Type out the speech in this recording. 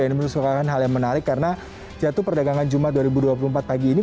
ini merupakan hal yang menarik karena jatuh perdagangan jumat dua ribu dua puluh empat pagi ini